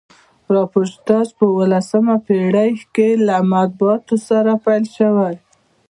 راپورتاژپه اوولسمه پیړۍ کښي له مطبوعاتو سره پیل سوی.